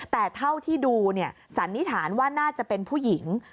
แต่เท่าที่ดูสันนิษฐานว่าน่าจะเป็นผู้หญิง